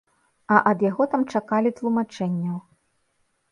А ад яго там чакалі тлумачэнняў.